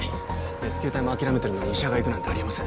レスキュー隊も諦めてるのに医者が行くなんてありえません